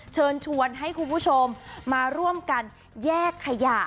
เชิญชวนให้คุณผู้ชมมาร่วมกันแยกขยะ